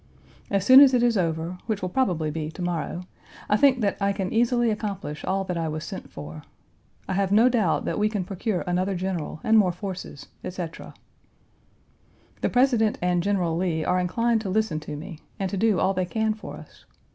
As soon as it is over, which will probably be to morrow, I think that I can easily accomplish all that I was sent for. I have no doubt that we can procure another general and more forces, etc. The President and General Lee are inclined to listen to me, and to do all they can for us.